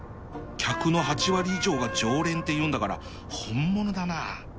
客の８割以上が常連っていうんだから本物だな